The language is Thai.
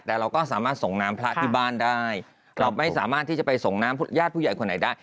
แต่เราก็สามารถส่งน้ำพระที่บ้านได้เราไม่สามารถที่จะไปส่งน้ำญาติผู้ใหญ่คนไหนได้